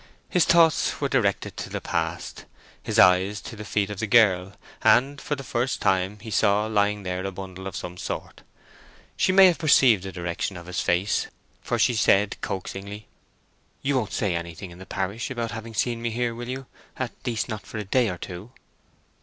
His thoughts were directed to the past, his eyes to the feet of the girl; and for the first time he saw lying there a bundle of some sort. She may have perceived the direction of his face, for she said coaxingly,— "You won't say anything in the parish about having seen me here, will you—at least, not for a day or two?"